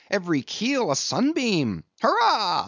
Every keel a sunbeam! Hurrah!